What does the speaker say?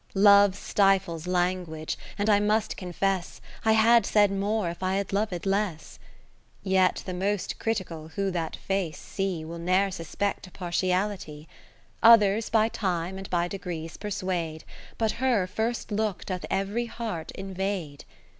Love stifles language, and I must confess, I had said more, if I had loved less. Yet the most critical who that face see, Will ne'er suspect a partiality. Others by time and by degrees persuade, But her first look doth every heart invade.